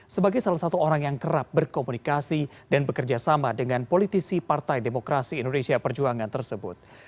sebagai salah satu orang yang kerap berkomunikasi dan bekerja sama dengan politisi partai demokrasi indonesia perjuangan tersebut